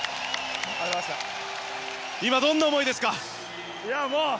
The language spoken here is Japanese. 今、どんな思いですか？